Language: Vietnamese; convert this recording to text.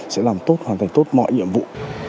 sẽ làm tốt hoàn thành tốt mọi nhiệm vụ